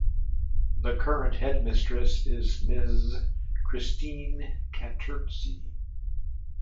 The current Headmistress is Ms. Christine Kattirtzi.